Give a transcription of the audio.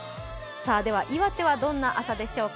岩手はどんな朝でしょうか。